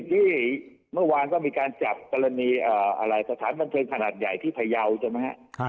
ที่เมื่อวานก็มีการจับกรณีอะไรสถานบันเทิงขนาดใหญ่ที่พยาวใช่ไหมฮะ